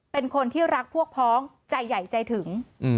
เป็นคนที่รักพวกพ้องใจใหญ่ใจถึง